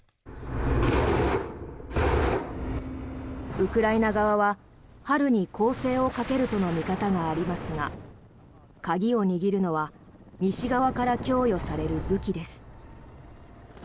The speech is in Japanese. ウクライナ側は春に攻勢をかけるとの見方がありますが鍵を握るのは西側から供与される武器です。